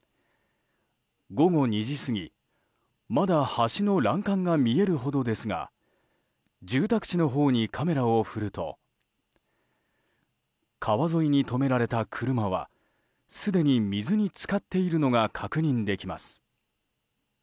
午後２時過ぎまだ橋の欄干が見えるほどですが住宅地のほうにカメラを振ると川沿いに止められた車はすでに水に浸かっているのが確認できます。